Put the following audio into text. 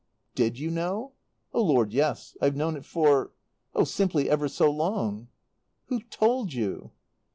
"Did you know?" "Oh, Lord, yes. I've known it for oh, simply ever so long." "Who told you?"